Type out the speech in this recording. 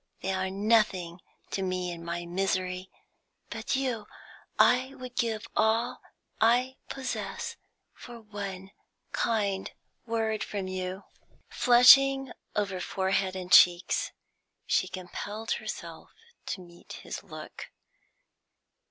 They are nothing to me in my misery. But you ... I would give all I possess for one kind word from you." Flushing over forehead and cheeks, she compelled herself to meet his look.